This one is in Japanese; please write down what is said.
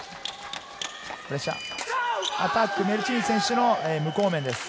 アタック、メルチーヌ選手の無効面です。